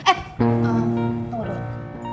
eh tunggu dulu